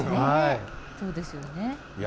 そうですよね。